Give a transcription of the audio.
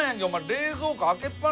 冷蔵庫開けっ放しやんけ